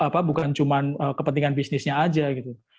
karena kalau sudah ngomongin pembinaan bukan hanya kepentingan bisnisnya aja gitu